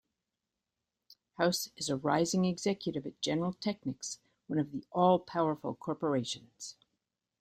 House is a rising executive at General Technics, one of the all-powerful corporations.